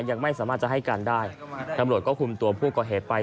ยังไม่สามารถจะให้การได้ตำรวจก็คุมตัวผู้ก่อเหตุไป